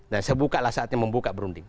nah saya buka lah saatnya membuka perunding